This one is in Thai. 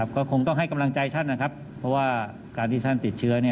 ก็คงต้องให้กำลังใจท่านนะครับเพราะว่าการที่ท่านติดเชื้อ